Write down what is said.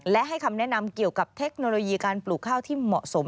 และให้คำแนะนำเกี่ยวกับเทคโนโลยีการปลูกข้าวที่เหมาะสม